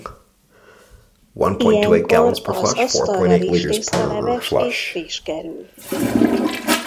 Ilyenkor az asztalra rizstészta-leves és rizs kerül.